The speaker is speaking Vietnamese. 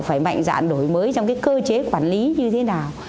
phải mạnh dạng đổi mới trong cái cơ chế quản lý như thế nào